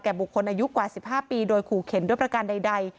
บุคคลอายุกว่า๑๕ปีโดยขู่เข็นด้วยประการใด